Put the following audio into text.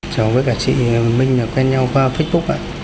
chào với cả chị minh quen nhau qua facebook ạ